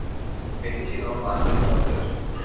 এটি ছিল মার্বেল পাথরের।